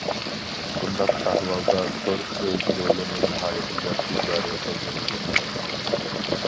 بۇنداق ئەھۋالدا تور ئۆز رولىنى ناھايىتى ياخشى جارى قىلدۇرىدۇ.